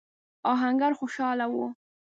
آهنګر خوشاله و.